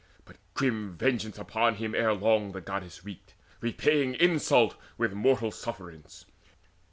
But grim vengeance upon him Ere long the Goddess wreaked, repaying insult With mortal sufferance.